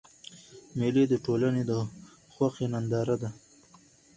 مېلې د ټولني د خوښۍ ننداره ده.